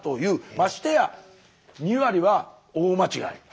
ましてや２割は大間違い。